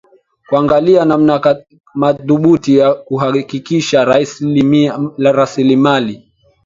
kuangalia namna mathubuti ya kuhakikisha rasilimali